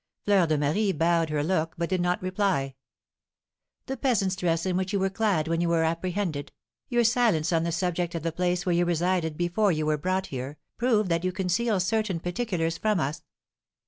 Fleur de Marie bowed her look, but did not reply. "The peasant's dress in which you were clad when you were apprehended, your silence on the subject of the place where you resided before you were brought here, prove that you conceal certain particulars from us."